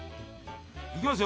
いきますよ。